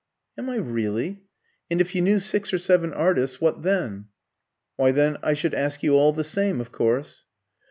"Am I really? And if you knew six or seven artists, what then?" "Why, then I should ask you all the same, of course."